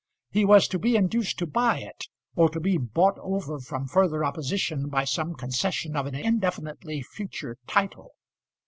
He was to be induced to buy it, or to be bought over from further opposition by some concession of an indefinitely future title.